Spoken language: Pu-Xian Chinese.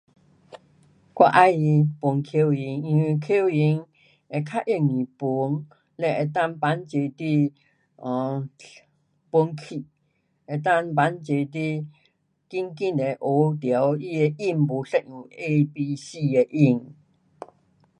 我喜欢吹口琴，因为口琴会较容易吹。了能够帮助你，um 吹气，能够帮助你快快就会学到它的音不一样。A,B,C 的音。